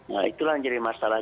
nah itulah yang jadi masalah